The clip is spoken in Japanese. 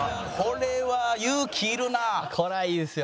これはいいですよ。